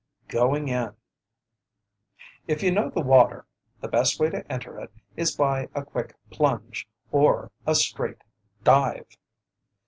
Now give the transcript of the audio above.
GOING IN If you know the water, the best way to enter it is by a quick plunge or a straight dive.